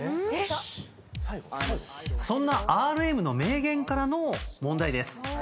そんなＲＭの名言からの問題です。